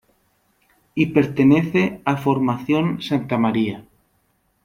Y pertenece a Formación Santa Maria.